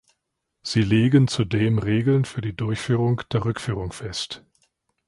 Sie legen zudem Regeln für die Durchführung der Rückführung fest.